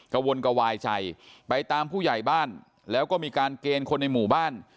กระวนกระวายใจไปตามผู้ใหญ่บ้านแล้วก็มีการเกณฑ์คนในหมู่บ้าน